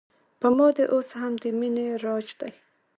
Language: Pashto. په ما دې اوس هم د مینې راج دی